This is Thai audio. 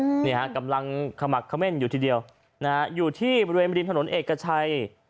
นี่ฮะกำลังขมักเขม่นอยู่ทีเดียวนะฮะอยู่ที่บริเวณริมถนนเอกชัย